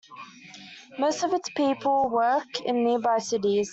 Most of its people work in nearby cities.